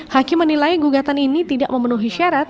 hakim menilai gugatan ini tidak memenuhi syarat